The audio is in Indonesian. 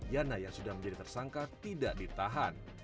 yana yang sudah menjadi tersangka tidak ditahan